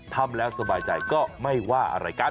ทำแล้วสบายใจก็ไม่ว่าอะไรกัน